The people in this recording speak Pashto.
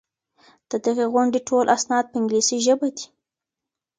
د دغي غونډې ټول اسناد په انګلیسي ژبه دي.